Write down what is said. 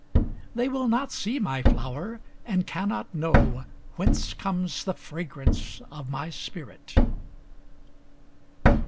They will not see my flower, And cannot knowWhence comes the fragrance of my spirit!